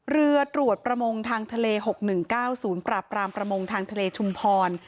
เรือตรวจประมงทางทะเล๖๑๙ศูนย์ปราบรามประมงทางทะเลชุมพร